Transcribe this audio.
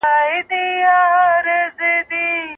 د توکو کیفیت به د نویو لارو سره ښه سي.